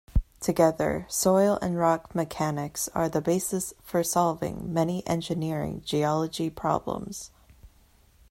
Together, soil and rock mechanics are the basis for solving many engineering geology problems.